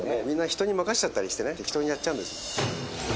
みんな人に任せちゃったりしてね適当にやっちゃうんです。